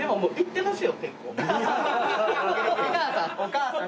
お母さん。